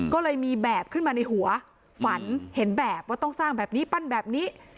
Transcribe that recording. ก็เลยมีแบบขึ้นมาในหัวฝันเห็นแบบว่าต้องสร้างแบบนี้ปั้นแบบนี้